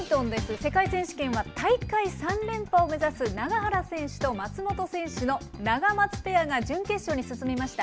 世界選手権は大会３連覇を目指す永原選手と松本選手のナガマツペアが準決勝に進みました。